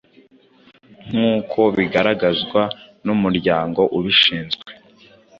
nk’uko bigaragazwa n’umuryango ubshinzwe